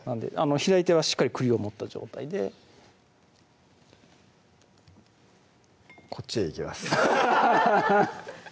左手はしっかり栗を持った状態でこっちでいきます